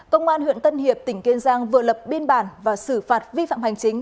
công an huyện tân hiệp tỉnh kiên giang vừa lập biên bản và xử phạt vi phạm hành chính